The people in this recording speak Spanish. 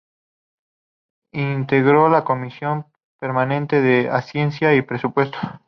Integró la comisión permanente de Hacienda y Presupuesto.